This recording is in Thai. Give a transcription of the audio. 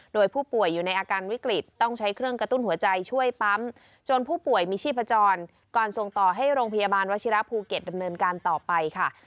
โดยผู้ป่วยอยู่ในอาการวิกฤตต้องใช้เครื่องกระตุ้นหัวใจช่วยปั๊มจนผู้ป่วยมีชีพจรก่อนส่งต่อให้โรงพยาบาลวชิระภูเก็ตดำเนินการต่อไปค่ะ